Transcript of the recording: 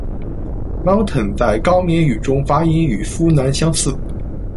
Mountain 在高棉语中发音与 Funan 相似。